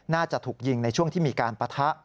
น่าจะถูกยิงในช่วงที่มีการปะทะ